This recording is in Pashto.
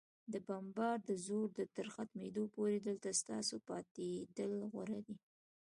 د بمبار د زور تر ختمېدو پورې، دلته ستاسو پاتېدل غوره دي.